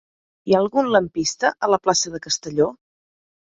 Hi ha algun lampista a la plaça de Castelló?